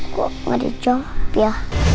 kok gak ada jawab ya